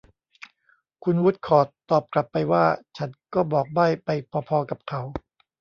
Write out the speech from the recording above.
คุณวูดคอร์ทตอบกลับไปว่า ฉันก็บอกใบ้ไปพอ ๆ กับเขา